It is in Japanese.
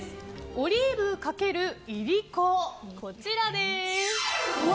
オリーブ×いりこ、こちらです。